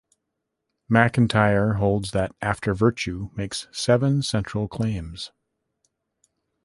MacIntyre holds that "After Virtue" makes seven central claims.